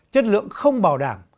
chất lượng không bảo đảm